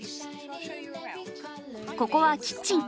ここはキッチン。